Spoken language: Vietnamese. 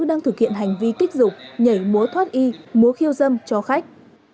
đang thực hiện hành vi kích dục nhảy múa thoát y múa khiêu dâm cho khách